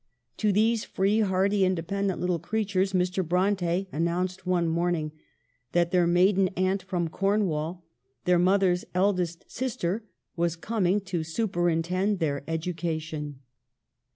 To these free, hardy, independent little creatures Mr. Bronte an nounced one morning that their maiden aunt from Cornwall, their mother's eldest sister, was coming to superintend their education.